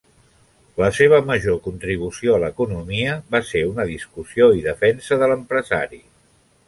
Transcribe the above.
La seva major contribució a l'economia va ser una discussió i defensa de l'empresari.